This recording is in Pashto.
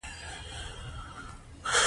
هغه هغې ته د آرام شپه ګلان ډالۍ هم کړل.